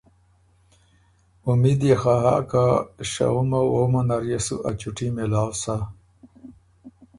امید يې خه هۀ که شهُمه وووُمه نر يې سُو آ چُوټي مېلاؤ سۀ۔